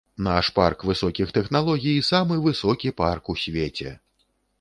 Наш парк высокіх тэхналогій самы высокі парк у свеце.